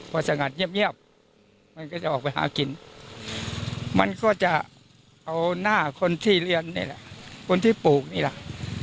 พอสงัดเงียบมันก็จะออกไปหากินมันก็จะเอาหน้าคนที่เรียนนี่แหละคนที่ปลูกนี่แหละ